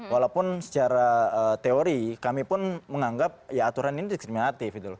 walaupun secara teori kami pun menganggap ya aturan ini diskriminatif